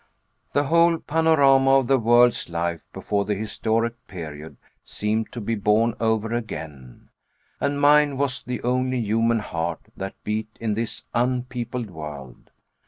The whole panorama of the world's life before the historic period, seemed to be born over again, and mine was the only human heart that beat in this unpeopled world!